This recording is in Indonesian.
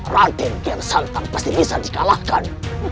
raden gelsang pasti bisa di kalahkan